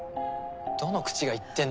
どの口が言ってんの。